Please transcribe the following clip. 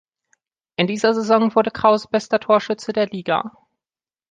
In dieser Saison wurde Krause bester Torschütze der Liga.